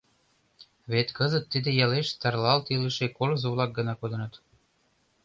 Вет кызыт тиде ялеш тарлалт илыше колызо-влак гына кодыныт.